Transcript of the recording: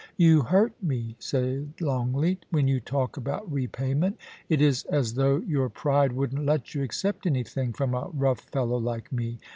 *You hurt me,' said Longleat, 'when you talk about repayment It is as though your pride wouldn't let you accept anything from a rough fellow like me.